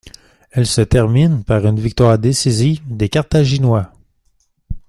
Elle se termine par une victoire décisive des Carthaginois.